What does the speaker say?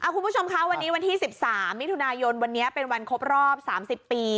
คุณผู้ชมคะวันนี้วันที่๑๓มิถุนายนวันนี้เป็นวันครบรอบ๓๐ปี